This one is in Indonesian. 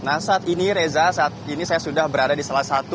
nah saat ini reza saat ini saya sudah berada di salah satu